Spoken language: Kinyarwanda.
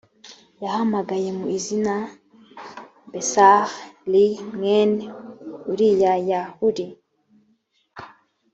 yahamagaye mu izina besal li mwene uri ya huri